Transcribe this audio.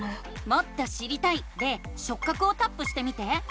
「もっと知りたい」で「しょっ角」をタップしてみて。